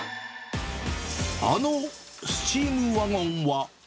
あのスチームワゴンは。